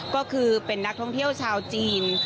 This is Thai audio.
ก็คือเป็นนักท่องเที่ยวชาวจีน